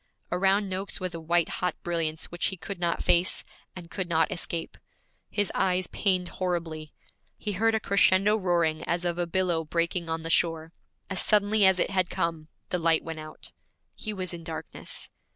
Around Noakes was a white hot brilliance which he could not face, and could not escape. His eyes pained horribly. He heard a crescendo roaring as of a billow breaking on the shore; as suddenly as it had come, the light went out. He was in darkness.